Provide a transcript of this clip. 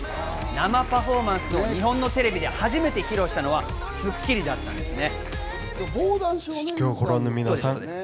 生パフォーマンスを日本のテレビで初めて披露したのは『スッキリ』だったんですよね。